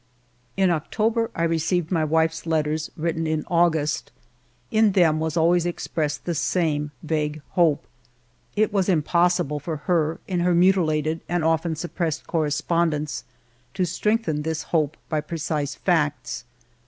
In October I received my wife's letters written in August ; in them was always expressed the same vague hope. It was impossible for her, in her mutilated and often suppressed correspond ence, to strengthen this hope by precise facts.